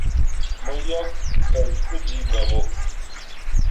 Mo yok sulay pu jiiba ɓo.